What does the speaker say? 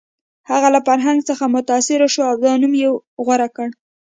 هغه له فرهنګ څخه متاثر شو او دا نوم یې غوره کړ